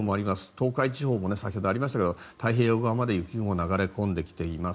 東海地方も先ほどもありましたが太平洋側まで雪雲が流れ込んできています。